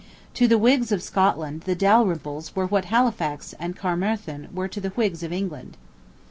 To the Whigs of Scotland the Dalrymples were what Halifax and Caermarthen were to the Whigs of England.